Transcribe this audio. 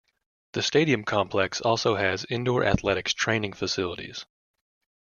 The stadium complex also has indoor athletics training facilities.